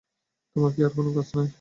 তোমার কি আর কোনো কাজ নেই?